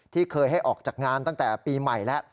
ที่เคยให้ออกจากงานตั้งแต่ปีใหม่แล้ว